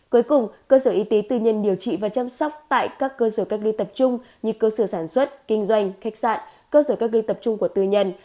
cuối cùng cơ sở y tế tư nhân điều trị và chăm sóc tại các cơ sở cách ly tập trung như cơ sở sản xuất kinh doanh khách sạn cơ sở cách ly tập trung của tư nhân